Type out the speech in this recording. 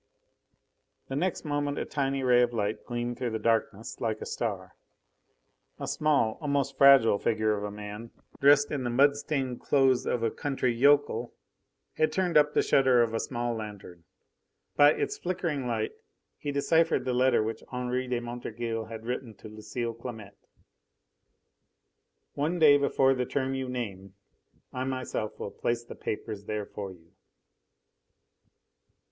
The next moment a tiny ray of light gleamed through the darkness like a star. A small, almost fragile, figure of a man, dressed in the mud stained clothes of a country yokel, had turned up the shutter of a small lanthorn. By its flickering light he deciphered the letter which Henri de Montorgueil had written to Lucile Clamette. "One day before the term you name I myself will place the papers there for you."